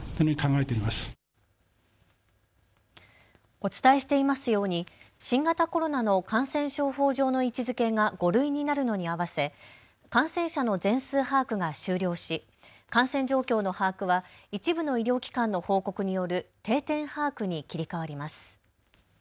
お伝えしていますように新型コロナの感染症法上の位置づけが５類になるのに合わせ感染者の全数把握が終了し感染状況の把握は一部の医療機関の報告による定点把握に切り替わります。